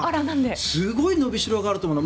すごいのびしろがあると思うの。